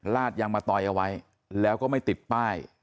ลาดยางมะตอยเอาไว้แล้วก็ไม่ติดป้าย